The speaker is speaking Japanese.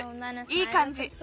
いいかんじ。